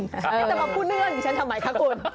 แต่ว่าพูดเรื่องฉันทำไมคะคุณ